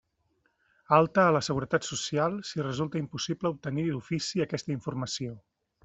Alta a la Seguretat Social, si resulta impossible obtenir d'ofici aquesta informació.